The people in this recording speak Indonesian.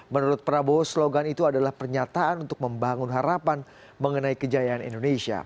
menurut prabowo slogan itu adalah pernyataan untuk membangun harapan mengenai kejayaan indonesia